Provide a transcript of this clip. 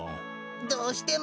どうしても？